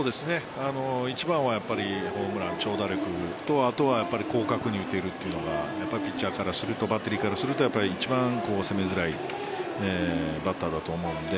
一番はホームラン、長打力とあとは広角に打てるというのがピッチャーからするとバッテリーからすると一番攻めづらいバッターだと思うので。